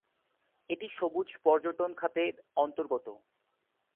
এটি সবুজ পর্যটন খাতে অন্তর্গত।